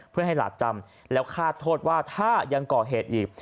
เพื่อให้หลากจำแล้วคาดโทษว่าถ้ายังก่อเหตุอีก